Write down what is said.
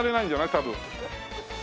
多分。